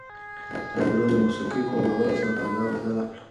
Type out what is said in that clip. راډیو د موسیقۍ په غږولو سره فضا بدله کړه.